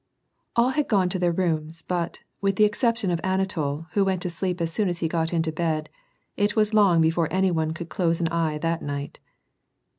All had gone to their rooms, but, with the exception of Ana tol, who went to sleep as soon as he got into bed, it was long before any one could close an eye that night.